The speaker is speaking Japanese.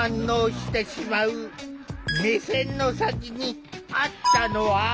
目線の先にあったのは？